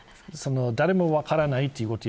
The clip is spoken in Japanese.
誰も分からない。